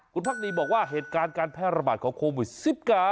คุณพักดีบอกว่าเหตุการณ์การแพร่ระบาดของโควิด๑๙